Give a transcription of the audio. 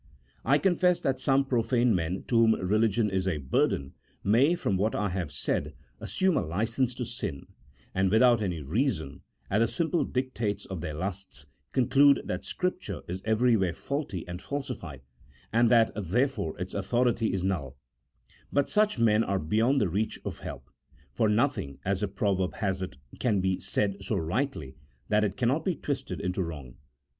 I confess that some profane men, to whom religion is a burden, may, from what I have said, assume a licence to sin, and without any reason, at the simple dictates of their lusts conclude that Scripture is everywhere faulty and falsified, and that therefore its authority is null ; but such men are beyond the reach of help, for nothing, as the pro verb has it, can be said so rightly that it cannot be twisted into wrong.